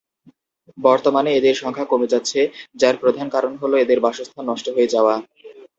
বর্তমানে এদের সংখ্যা কমে যাচ্ছে, যার প্রধান কারণ হল এদের বাসস্থান নষ্ট হয়ে যাওয়া।